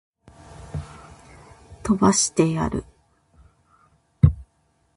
消し飛ばしてやる!